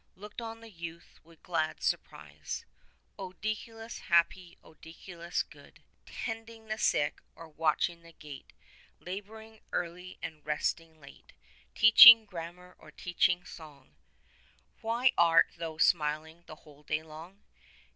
Looked on the youth with glad surprise; ' O Deicolus happy, Deicolus good ! Tending the sick, or watching the gate. Labouring early and resting late. Teaching grammar or teaching song — Why art thou smiling the whole day long?